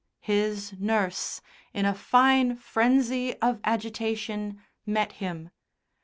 His nurse, in a fine frenzy of agitation, met him.